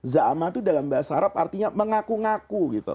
za'ama itu dalam bahasa arab artinya mengaku ngaku